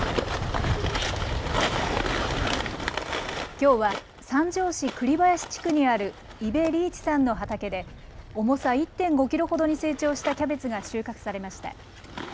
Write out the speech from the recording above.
きょうは三条市栗林地区にある伊部利一さんの畑で重さ１．５キロほどに成長したキャベツが収穫されました。